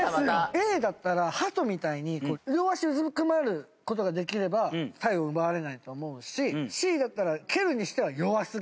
Ａだったら鳩みたいに両足うずくまる事ができれば体温奪われないと思うしＣだったら蹴るにしては弱すぎると。